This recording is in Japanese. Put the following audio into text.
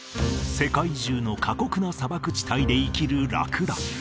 世界中の過酷な砂漠地帯で生きるラクダ